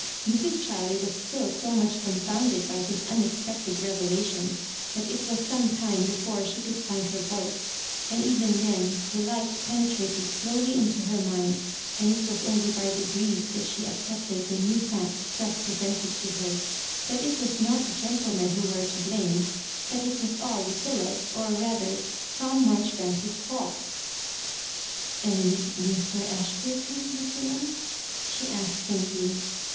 Mr&, Ghiley was still so much confounded by this unexpected revelation that it was some time before she could find her voice ; and even then the light penetrated slowly into her mind, and it was only by degrees t^t she ac cepted the new fact thus presented to her; that it was not the gentlemen who were to blsune— that it was all LuciUa'fi or rather Tom Marjori banks's fault "And Mr. Ashburton, Ludlla?*' she asked faintly.